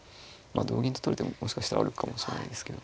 同銀と取る手ももしかしたらあるかもしれないですけど。